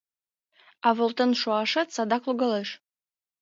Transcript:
— А волтен шуашет садак логалеш.